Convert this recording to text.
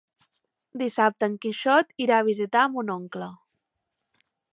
Dissabte en Quixot irà a visitar mon oncle.